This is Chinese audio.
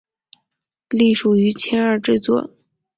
隶属于青二制作。